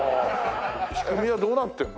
仕組みはどうなってるの？